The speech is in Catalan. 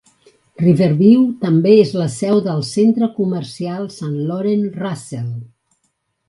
Riverview també és la seu del centre comercial St-Laurent-Russell.